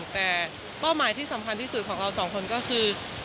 แต่เป้าหมายที่สำคัญที่สุดของเราสองคนก็คือ